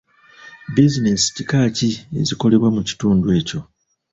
Bizinensi kika ki ezikolebwa mu kitundu ekyo?